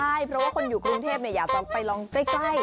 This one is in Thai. ใช่เพราะว่าคนอยู่กรุงเทพอยากจะไปลองใกล้